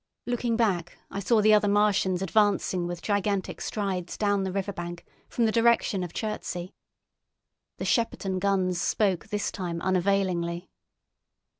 Looking back, I saw the other Martians advancing with gigantic strides down the riverbank from the direction of Chertsey. The Shepperton guns spoke this time unavailingly.